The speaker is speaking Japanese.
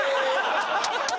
ハハハ！